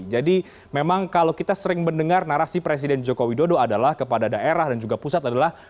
jadi memang kalau kita sering mendengar narasi presiden joko widodo adalah kepada daerah dan juga pusat adalah